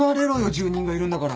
住人がいるんだから。